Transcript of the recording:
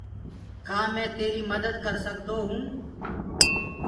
ڪآ مينٚ تيري مدد ڪر سڪدو هونٚ۔